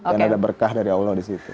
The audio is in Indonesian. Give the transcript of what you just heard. dan ada berkah dari allah di situ